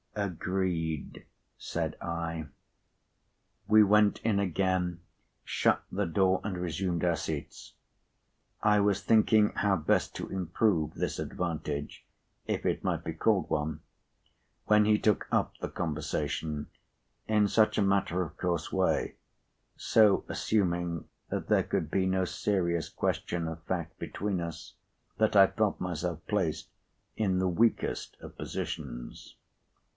"Agreed," said I. We went in again, shut the door, and resumed our seats. I was thinking how best to improve this advantage, if it might be called one, when he took up the conversation in such a matter of course way, so assuming that there could be no serious question of fact between p. 105us, that I felt myself placed in the weakest of positions.